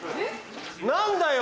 何だよ！